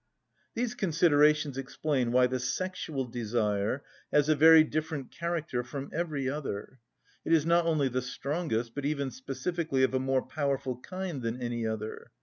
These considerations explain why the sexual desire has a very different character from every other; it is not only the strongest, but even specifically of a more powerful kind than any other.